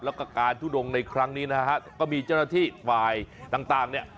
แล้วก็การทุดงในครั้งนี้นะฮะก็มีเจ้าหน้าที่ฝ่ายต่างเนี่ย